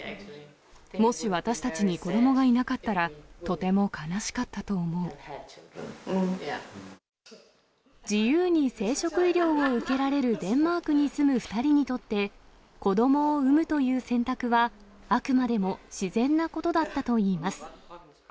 もし私たちに子どもがいなかったら、自由に生殖医療を受けられるデンマークに住む２人にとって、子どもを産むという選択は、あくまでも自然なことだったといいます。